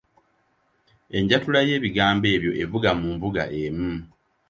Enjatula y’ebigambo ebyo evuga mu nvuga emu.